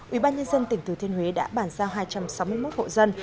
ủy ban nhân dân tỉnh thừa thiên huế đã bàn giao hai trăm sáu mươi một hộ dân